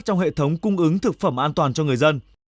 trong hệ thống cung ứng thực phẩm an toàn cho người dân